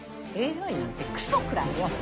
ＡＩなんてクソ食らえよ。